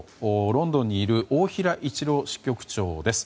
ロンドンにいる大平一郎支局長です。